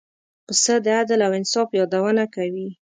پسه د عدل او انصاف یادونه کوي.